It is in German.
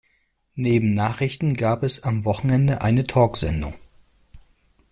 Neben Nachrichten gab es am Wochenende eine Talksendung.